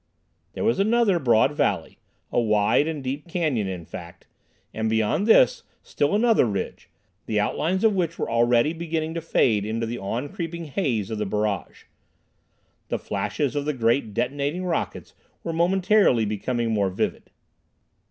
There was another broad valley, a wide and deep canyon, in fact, and beyond this still another ridge, the outlines of which were already beginning to fade into the on creeping haze of the barrage. The flashes of the great detonating rockets were momentarily becoming more vivid.